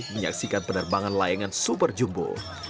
menyaksikan penerbangan layangan super jumbo